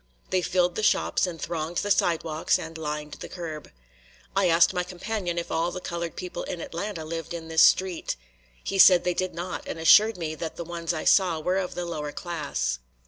They filled the shops and thronged the, sidewalks and lined the curb. I asked my companion if all the colored people in Atlanta lived in this street. He said they did not and assured me that the ones I saw were of the lower class.